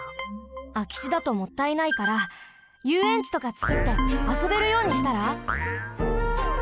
あきちだともったいないからゆうえんちとかつくってあそべるようにしたら？